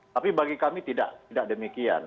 tapi bagi kami tidak demikian